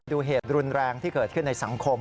ดูเหตุรุนแรงที่เกิดขึ้นในสังคม